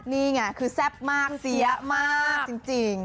นี่ไงคือแซ่บมากเสียมากจริง